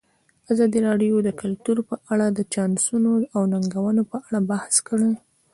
ازادي راډیو د کلتور په اړه د چانسونو او ننګونو په اړه بحث کړی.